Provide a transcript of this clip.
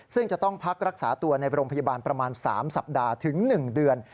ซึ่งจะต้องพักรักษาตัวในโรงพยาบาลประมาณ๓สัปดาห์ถึง๑เดือน